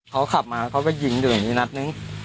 เขาขับมาเขาไปยิงตรงนี้นัดหนึ่ง